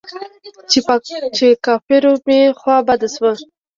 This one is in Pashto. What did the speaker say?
چې پر کفارو مې خوا بده سوه.